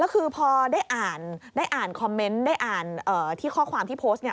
คือพอได้อ่านคอมเมนต์ได้อ่านที่ข้อความที่โพสต์นี้